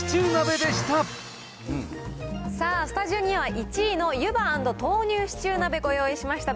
さあ、スタジオには１位の湯葉＆豆乳シチュー鍋、ご用意しました。